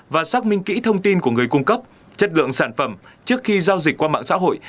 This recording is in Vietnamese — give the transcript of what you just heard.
và xác minh kỹ thông tin của người cung cấp chất lượng sản phẩm trước khi giao dịch qua mạng xã hội